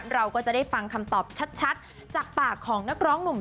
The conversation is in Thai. เราก็จะได้ฟังคำตอบชัดจากปากของนักร้องหนุ่ม